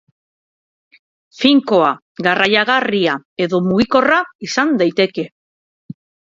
Finkoa, garraiagarria edo mugikorra izan daiteke.